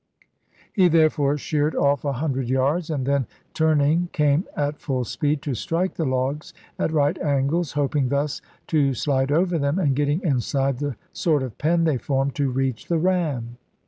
He therefore sheered off a hundred yards, and then turning came at full speed to strike the logs at right angles, hoping thus to slide over them, and getting inside the sort of pen they formed, to reach the ram.